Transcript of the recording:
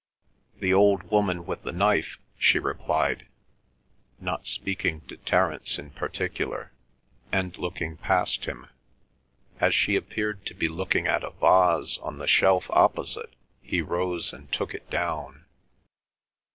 "The old woman with the knife," she replied, not speaking to Terence in particular, and looking past him. As she appeared to be looking at a vase on the shelf opposite, he rose and took it down.